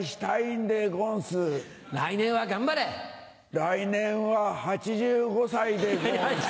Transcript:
来年は８５歳でごんす。